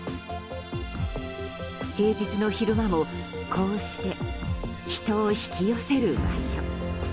平日の昼間もこうして人を引き寄せる場所。